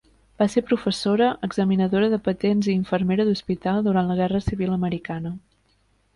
Va ser professora, examinadora de patents i infermera d'hospital durant la Guerra civil americana.